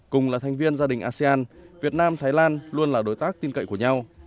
cùng là thành viên gia đình asean việt nam thái lan luôn là đối tác tin cậy của nhau